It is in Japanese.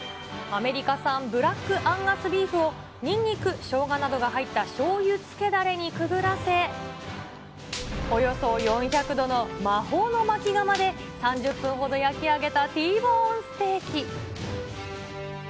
アメリカ産ブラックアンガスビーフを、にんにく、しょうがなどが入ったしょうゆ漬けだれにくぐらせ、およそ４００度の魔法のまき窯で３０分ほど焼き上げたＴボーンステーキ。